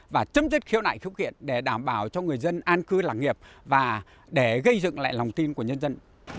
và chấm dứt khiếu nại khúc kiện để đảm bảo cho người dân an cư làng nghiệp và để gây dựng lại lòng tin của nhân dân